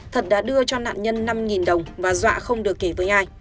thật đã đưa cho nạn nhân năm đồng và dọa không được kỳ với ai